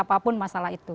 seberat apapun masalah itu